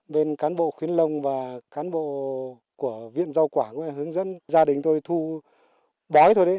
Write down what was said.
bên cán bộ khuyến lông và cán bộ của viện rau quả cũng hướng dẫn gia đình tôi thu bói thôi đấy